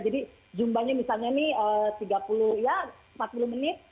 jadi jumlahnya misalnya nih tiga puluh ya empat puluh menit